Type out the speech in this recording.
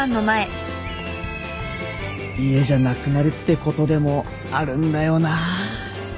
家じゃなくなるってことでもあるんだよな。